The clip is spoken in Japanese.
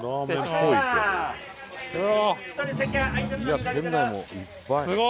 いや店内もいっぱい。